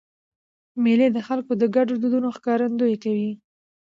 مېلې د خلکو د ګډو دودونو ښکارندویي کوي.